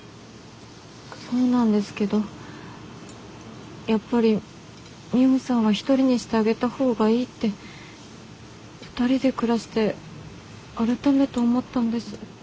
そうなんですけどやっぱりミホさんは一人にしてあげた方がいいって２人で暮らして改めて思ったんです。